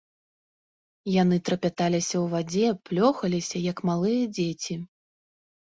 Яны трапяталіся ў вадзе, плёхаліся, як малыя дзеці.